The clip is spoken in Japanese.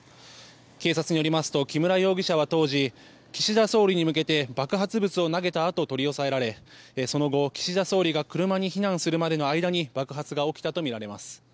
警察によりますと木村容疑者は当時岸田総理に向けて爆発物を投げたあと取り押さえられその後、岸田総理が車に避難するまでの間に爆発が起きたとみられます。